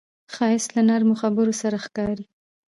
ښایست له نرمو خبرو سره ښکاري